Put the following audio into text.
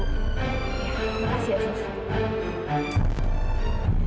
ya makasih ya sus